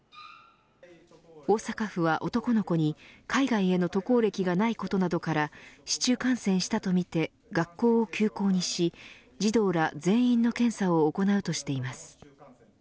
大阪府は男の子に海外への渡航歴がないことなどから市中感染したとみて学校を休校にし児童ら全員の検査を行うとしています。